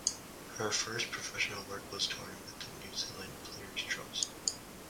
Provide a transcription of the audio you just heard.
Her first professional work was touring with the New Zealand Players Trust.